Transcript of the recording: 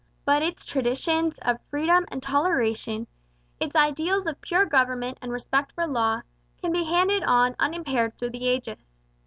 But its traditions of freedom and toleration, its ideals of pure government and respect for law, can be handed on unimpaired through the ages.